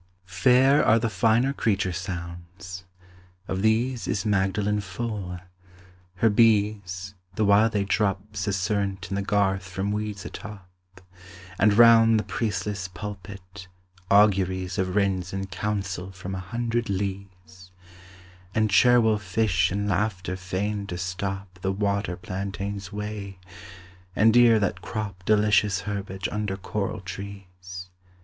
Fair are the finer creature sounds; of these Is Magdalen full: her bees, the while they drop Susurrant in the garth from weeds atop; And round the priestless Pulpit, auguries Of wrens in council from a hundred leas; And Cherwell fish in laughter fain to stop The water plantain's way; and deer that crop Delicious herbage under choral trees.